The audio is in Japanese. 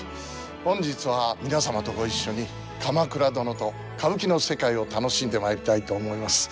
本日は皆様とご一緒に「鎌倉殿」と歌舞伎の世界を楽しんでまいりたいと思います。